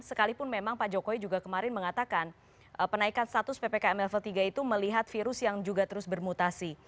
sekalipun memang pak jokowi juga kemarin mengatakan penaikan status ppkm level tiga itu melihat virus yang juga terus bermutasi